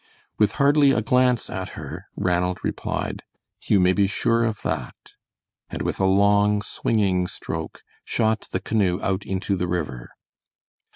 With hardly a glance at her Ranald replied: "You may be sure of that," and with a long, swinging stroke shot the canoe out into the river.